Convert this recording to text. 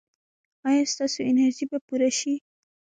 ایا ستاسو انرژي به پوره شي؟